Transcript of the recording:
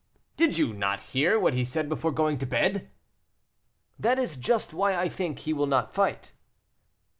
"Did you not hear what he said before going to bed?" "That is just why I think he will not fight."